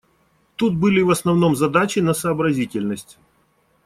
Тут были в основном задачи на сообразительность.